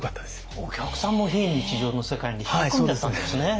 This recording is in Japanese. お客さんも非日常の世界に引き込んじゃったんですね。